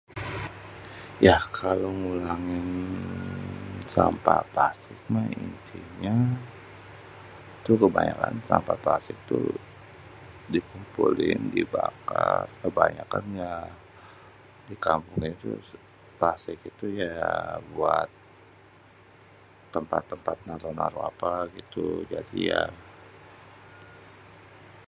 Yah kalo ngurangin sampah plastik mah intinya, tuh kebanyakan sampah plastik tuh dikumpulin, dibakar. Kebanyakan ya di kampung itu plastik itu ya buat tempat-tempat naro-naro apa gitu. Jadi ya.